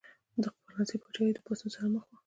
د فرانسې پاچاهي د پاڅون سره مخ وه.